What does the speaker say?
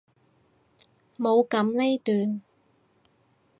冇噉呢段！